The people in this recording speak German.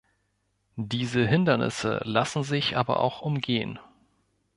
Diese Hindernisse lassen sich aber auch umgehen.